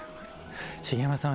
茂山さん